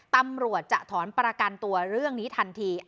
ตำรวจจะถอนประกันตัวเรื่องนี้ทันที